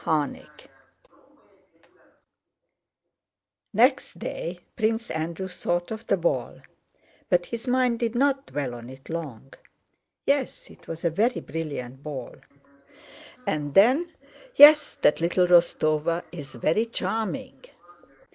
CHAPTER XVIII Next day Prince Andrew thought of the ball, but his mind did not dwell on it long. "Yes, it was a very brilliant ball," and then... "Yes, that little Rostóva is very charming.